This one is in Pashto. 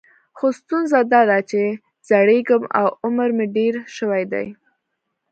خو ستونزه دا ده چې زړیږم او عمر مې ډېر شوی دی.